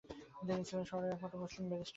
তিনি ছিলেন শহরের একমাত্র মুসলিম ব্যারিস্টার।